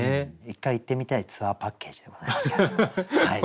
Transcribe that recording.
一回行ってみたいツアーパッケージでございますけれども。